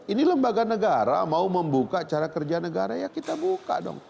ini lembaga negara mau membuka cara kerja negara ya kita buka dong